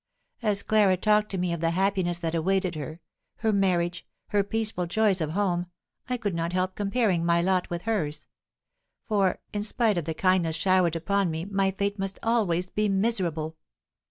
As Clara talked to me of the happiness that awaited her, her marriage, her peaceful joys of home, I could not help comparing my lot with hers; for, in spite of the kindness showered upon me, my fate must always be miserable.